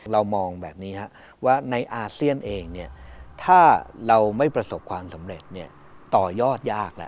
เรามองแบบนี้ว่าในอาเซียนเองถ้าเราไม่ประสบความสำเร็จต่อยอดยากแล้ว